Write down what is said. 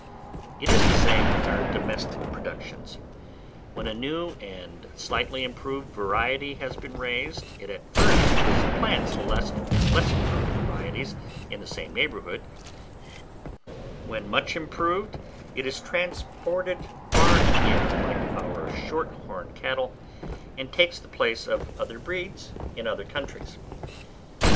It is the same with our domestic productions: when a new and slightly improved variety has been raised, it at first supplants the less improved varieties in the same neighbourhood; when much improved it is transported far and near, like our short horn cattle, and takes the place of other breeds in other countries.